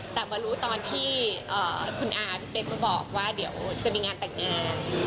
แต่มารู้ตอนที่คุณอาพี่เป๊กมาบอกว่าเดี๋ยวจะมีงานแต่งงาน